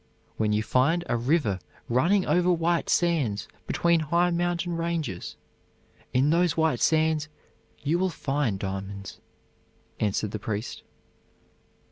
"When you find a river running over white sands between high mountain ranges, in those white sands you will find diamonds," answered the priest.